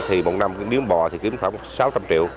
thì một năm miếng bò thì kiếm khoảng sáu trăm linh triệu